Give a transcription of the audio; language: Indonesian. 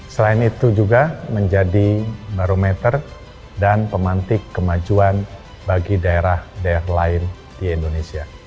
selain itu juga menjadi barometer dan pemantik kemajuan bagi daerah daerah lain di indonesia